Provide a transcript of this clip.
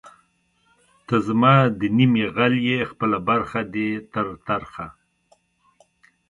ته زما د نیمې غل ئې خپله برخه دی تر ترخه